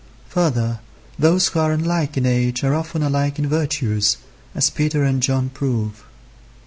Further, those who are unlike in age are often alike in virtues, as Peter and John prove.